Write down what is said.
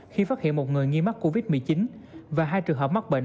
khi phát hiện một người nghi mắc covid một mươi chín và hai trường hợp mắc bệnh